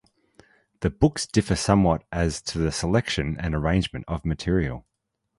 The books differ somewhat as to the selection and arrangement of material.